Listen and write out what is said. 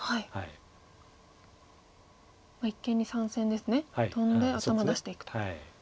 一間に３線ですねトンで頭出していくと。